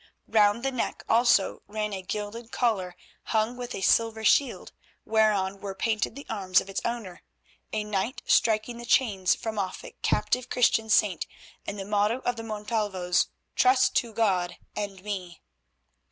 Round the neck also ran a gilded collar hung with a silver shield, whereon were painted the arms of its owner, a knight striking the chains from off a captive Christian saint, and the motto of the Montalvos, "Trust to God and me."